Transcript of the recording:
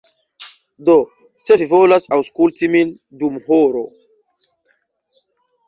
Do se vi volas aŭskulti min dum horo